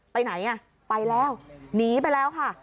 ไปไหนอ่ะไปแล้วหนีไปแล้วค่ะ